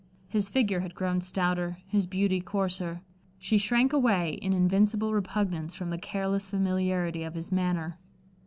His figure had grown stouter, his beauty coarser. She shrank away in invincible repugnance from the careless familiarity of his manner.